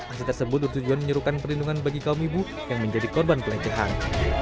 aksi tersebut bertujuan menyuruhkan perlindungan bagi kaum ibu yang menjadi korban pelecehan